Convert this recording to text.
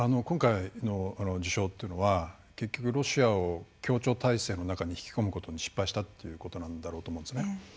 今回の事象というのは結局、ロシアを協調体制の中に引き込むことに失敗したということなんだろうと思うんですね。